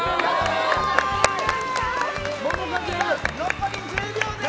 残り１０秒です。